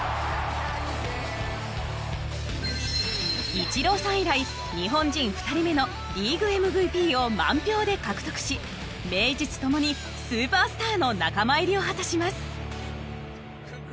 イチローさん以来日本人２人目のリーグＭＶＰを満票で獲得し名実ともにスーパースターの仲間入りを果たします。